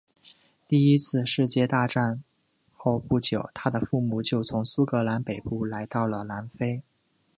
第一次世界大战后不久他的父母就从苏格兰北部来到了南非。